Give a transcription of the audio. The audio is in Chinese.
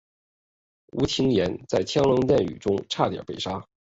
吴廷琰在枪林弹雨中差点被杀。